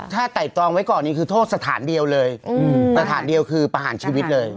ถ้าไต่ตรองไว้ก่อนนี่คือโทษสถานเดียวเลยสถานเดียวคือประหารชีวิตเลย